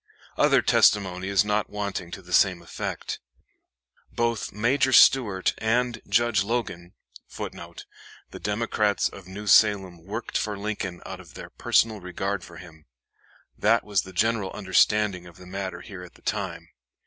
Other testimony is not wanting to the same effect. Both Major Stuart and Judge Logan [Footnote: The Democrats of New Salem worked for Lincoln out of their personal regard for him. That was the general understanding of the matter here at the time.